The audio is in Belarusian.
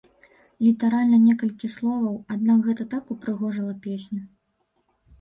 Літаральна некалькі словаў, аднак гэта так упрыгожыла песню!